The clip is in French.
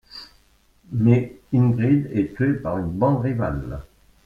Mais Ingrid est tuée par une bande rivale.